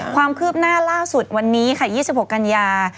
ความคืบหน้าล่าสุดวันนี้ค่ะ๒๖กันยา